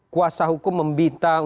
kuasa hukum membita